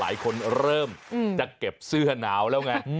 หลายคนเริ่มจะเก็บเสื้อหนาวแล้วไง